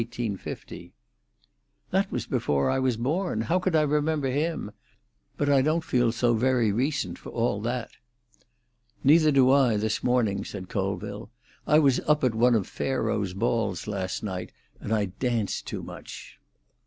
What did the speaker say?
"That was before I was born. How could I remember him? But I don't feel so very recent for all that." "Neither do I, this morning," said Colville. "I was up at one of Pharaoh's balls last night, and I danced too much."